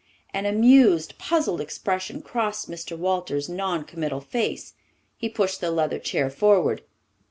An amused, puzzled expression crossed Mr. Walters's noncommittal face. He pushed the leather chair forward.